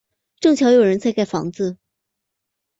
正巧有人在盖房子